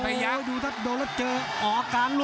ภูตวรรณสิทธิ์บุญมีน้ำเงิน